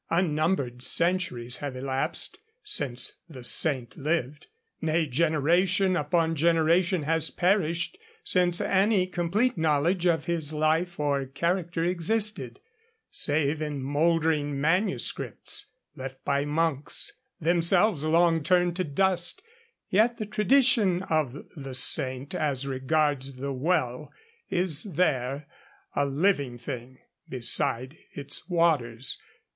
Unnumbered centuries have elapsed since the saint lived; nay, generation upon generation has perished since any complete knowledge of his life or character existed, save in mouldering manuscripts left by monks, themselves long turned to dust; yet the tradition of the saint as regards the well is there, a living thing beside its waters.